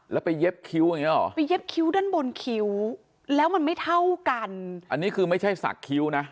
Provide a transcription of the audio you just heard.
ให้มันตึงขึ้นไปอย่างเงี้ยวะ